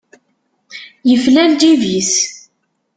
Yefla lǧib-is.